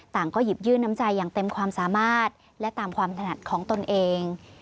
ก็หยิบยื่นน้ำใจอย่างเต็มความสามารถและตามความถนัดของตนเอง